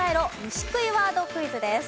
虫食いワードクイズです。